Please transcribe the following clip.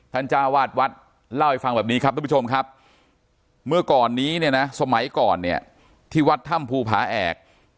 จ้าวาดวัดเล่าให้ฟังแบบนี้ครับทุกผู้ชมครับเมื่อก่อนนี้เนี่ยนะสมัยก่อนเนี่ยที่วัดถ้ำภูผาแอก